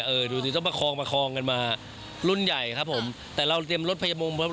ดูสิต้องประคองประคองกันมารุ่นใหญ่ครับผมแต่เราเตรียมรถพยามุมครับ